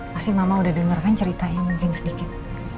pasti mama udah denger kan ceritanya mungkin sedikit